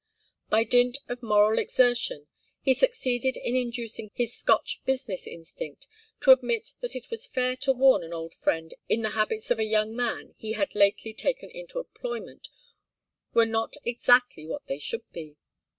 By dint of moral exertion, he succeeded in inducing his Scotch business instinct to admit that it was fair to warn an old friend if the habits of a young man he had lately taken into employment were not exactly what they should be.